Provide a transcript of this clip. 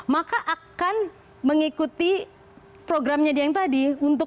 maka akan mengikuti programnya dia yang tadi